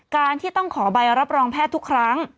การที่ต้องขอใบรับรองแพทย์ทุกครั้ง